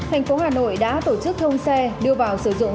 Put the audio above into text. hnth đã tổ chức thông xe đưa vào sử dụng